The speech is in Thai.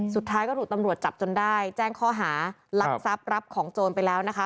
สุดท้ายก็ถูกตำรวจจับจนได้แจ้งข้อหารักทรัพย์รับของโจรไปแล้วนะคะ